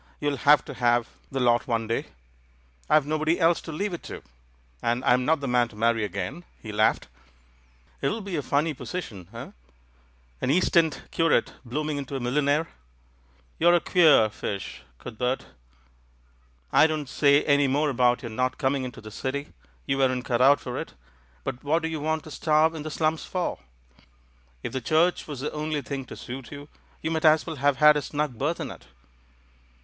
You'll have to have the lot one day — I've nobody else to leave it to, and I'm not the man to marry again." He laughed. "It'll be a funny position, eh — an East End cu rate blooming into a millionaire ? You're a queer fish, Cuthbert! I don't say any more about your not coming into the City — you weren't cut out for it — but what do you want to starve in the slums for? If the Church was the only thing to suit you, you might as well have had a snug berth in it."